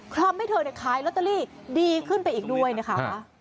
ทำให้เธอขายลอตเตอรี่ดีขึ้นไปอีกด้วยนะคะ